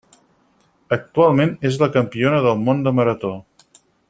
Actualment és la campiona del món de marató.